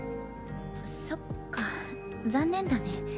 そっか残念だね。